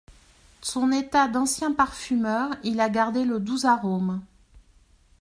D’ son état d’ancien parfumeur Il a gardé le doux arome !